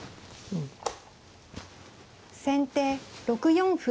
先手６四歩。